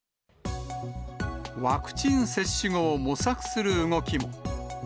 ワクチン接種後を模索する動きも。